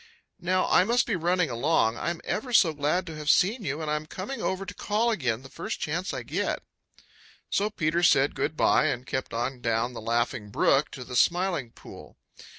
Now I must be running along. I'm ever so glad to have seen you, and I'm coming over to call again the first chance I get." So Peter said good by and kept on down the Laughing Brook to the Smiling Pool.